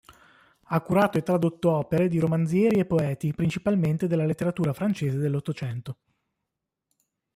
Ha curato e tradotto opere di romanzieri e poeti principalmente della letteratura francese dell'Ottocento.